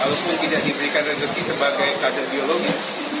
kalaupun tidak diberikan rezeki sebagai kader biologis